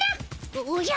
おおじゃ。